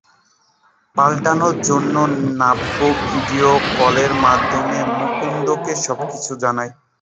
পালানোর জন্য নাব্য ভিডিও কলের মাধ্যমে মুকুন্দকে সবকিছু জানায়।